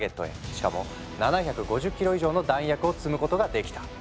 しかも７５０キロ以上の弾薬を積むことができた。